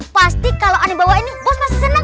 pasti kalo aneh bawah ini bos masih seneng